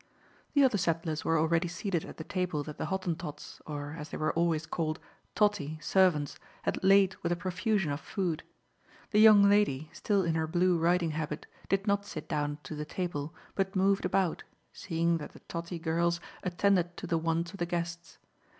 The other settlers were already seated at the table that the Hottentots or, as they were always called, "tottie" servants, had laid with a profusion of food. The young lady, still in her blue riding habit, did not sit down to the table, but moved about, seeing that the "tottie" girls attended to the wants of the guests.